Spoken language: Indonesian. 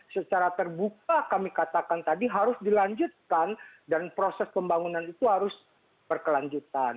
secara terbuka kami katakan tadi harus dilanjutkan dan proses pembangunan itu harus berkelanjutan